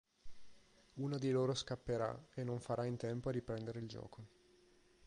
Una di loro scapperà e non farà in tempo a riprendere il gioco.